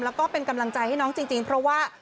แล้วก็เป็นกำลังใจให้น้องจริงเพราะว่า